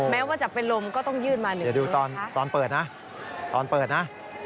แม้ว่าจะเป็นลมก็ต้องยืนมาเลยครับค่ะอย่าดูตอนเปิดนะ